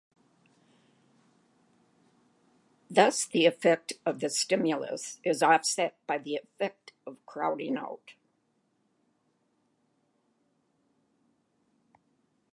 Thus the effect of the stimulus is offset by the effect of crowding out.